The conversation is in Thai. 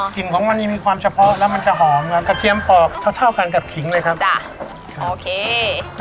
กลิ่นของมันนี่หอมกระเทียมปอกเท่ากับขิงเลยครับ